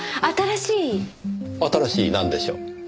「新しい」なんでしょう？